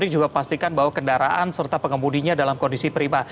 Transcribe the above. juga pastikan bahwa kendaraan serta pengemudinya dalam kondisi prima